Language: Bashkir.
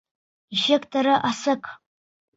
Ишектәре асыҡ.